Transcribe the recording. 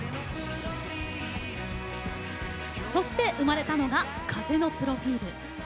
そして生まれたのが「風のプロフィール」。